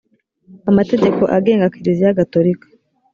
amategeko agenga kiliziya gatolika